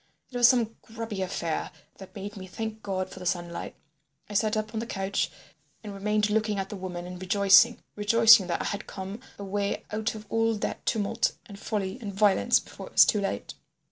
It was some grubby affair that made me thank God for the sunlight. I sat up on the couch and remained looking at the woman and rejoicing—rejoicing that I had come away out of all that tumult and folly and violence before it was too late.